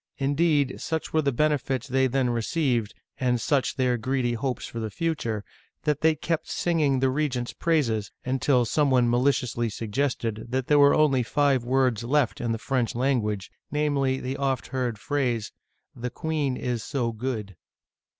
Indeed, such were the benefits they then received, and such their greedy hopes for the future, that they kept singing the regent's praises, until some one maliciously suggested that there were only five words left in the French language, namely, the oft heard phrase, " The queen is so good